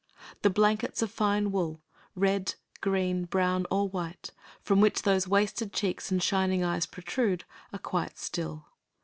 The blankets of fine wool red, green, brown, or white from which those wasted cheeks and shining eyes protrude are quite still.